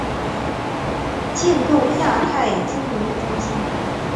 建构亚太金融中心